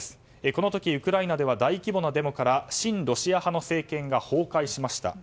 この時、ウクライナでは大規模なデモから親ロシア派の政権が崩壊しました。